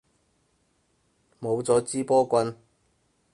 冇咗支波棍